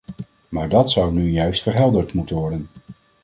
Maar dat zou nu juist verhelderd moeten worden.